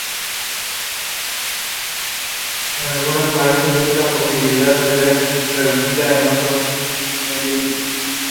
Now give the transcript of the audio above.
Luego se echa el champán.